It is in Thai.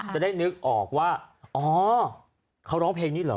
จะได้นึกออกว่าอ๋อเขาร้องเพลงนี้เหรอ